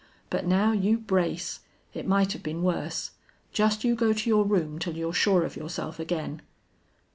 But now you brace. It might have been worse. Just you go to your room till you're sure of yourself again."